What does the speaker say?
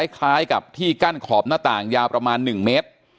คล้ายกับที่กั้นขอบหน้าต่างยาวประมาณ๑เมตร